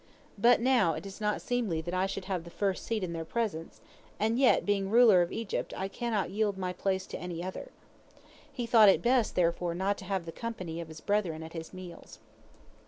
But now it is not seemly that I should have the first seat in their presence, and yet, being ruler of Egypt, I cannot yield my place to any other." He thought it best therefore not to have the company of his brethren at his meals.